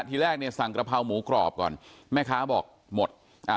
ทีแรกเนี่ยสั่งกระเพราหมูกรอบก่อนแม่ค้าบอกหมดอ่า